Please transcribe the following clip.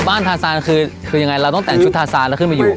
บ้านทาซานคือยังไงเราต้องแต่งชุดทาซานแล้วขึ้นมาอยู่